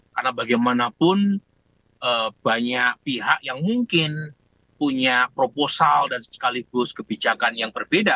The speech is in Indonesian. karena bagaimanapun banyak pihak yang mungkin punya proposal dan sekaligus kebijakan yang berbeda